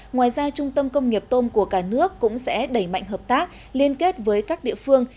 ngoài ra trung tâm công nghiệp tôm của cả nước cũng sẽ đẩy mạnh hợp tác liên kết với các địa phương